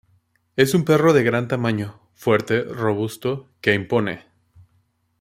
Es un perro de gran tamaño, fuerte, robusto, que impone.